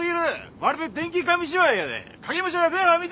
まるで電気紙芝居やで。